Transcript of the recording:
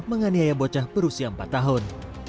menganiaya bocah berusia empat tahun